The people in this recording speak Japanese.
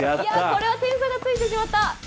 これは点差がついてしまった！